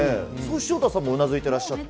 潮田さんもうなずいていらっしゃって。